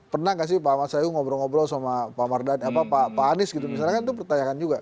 pernah nggak sih pak ahmad sayung ngobrol ngobrol sama pak anies gitu misalnya kan itu pertanyaan juga